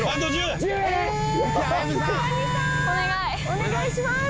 「お願いします！」